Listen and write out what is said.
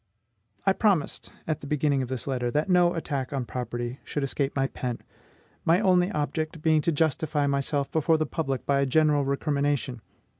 I promised, at the beginning of this letter, that no attack on property should escape my pen, my only object being to justify myself before the public by a general recrimination.